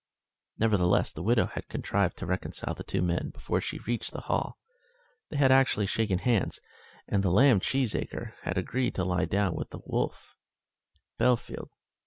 "] Nevertheless, the widow had contrived to reconcile the two men before she reached the Hall. They had actually shaken hands, and the lamb Cheesacre had agreed to lie down with the wolf Bellfield.